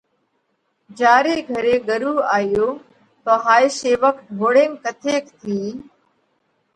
جيا ري گھري ڳرُو آيو تو هائي شيوَڪ ڍوڙينَ ڪٿئيڪ ٿِي